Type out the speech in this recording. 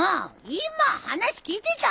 今話聞いてた？